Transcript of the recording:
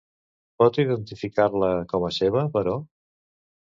Pot identificar-la com a seva, però?